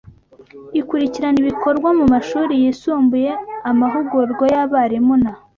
ikurikirana ibikorwa mumashuri yisumbuye amahugurwa yabarimu na